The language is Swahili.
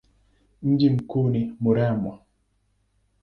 Mji mkuu ni Muramvya.